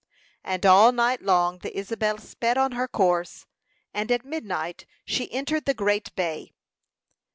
And all night long the Isabel sped on her course, and at midnight she entered the great bay.